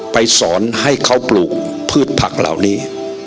สอนให้เขาปลูกพืชผักเหล่านี้